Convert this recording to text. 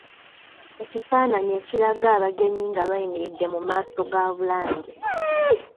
Ekifaananyi ekiraga abagenyi nga bayimiridde mu maaso ga Bulange.